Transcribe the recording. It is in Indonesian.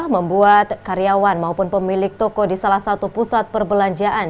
membuat karyawan maupun pemilik toko di salah satu pusat perbelanjaan